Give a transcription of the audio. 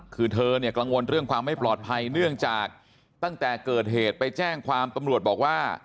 คือเธอเนี่ยกังวลเรื่องความไม่ปลอดภัยเนื่องจากตั้งแต่เกิดเหตุไปแจ้งความตำรวจบอกว่า